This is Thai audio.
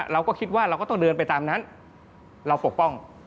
เราก็คิดว่าเราก็ต้องเดินไปตามนั้นเราปกป้อง